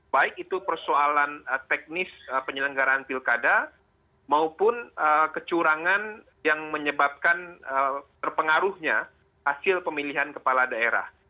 baik itu persoalan teknis penyelenggaraan pilkada maupun kecurangan yang menyebabkan terpengaruhnya hasil pemilihan kepala daerah